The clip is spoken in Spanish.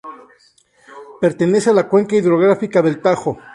Pertenece a la cuenca hidrográfica del Tajo.